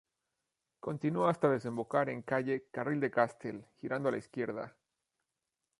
Continúa hasta desembocar en calle Carril de Castell, girando a la izquierda.